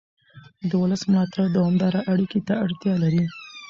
د ولس ملاتړ دوامداره اړیکې ته اړتیا لري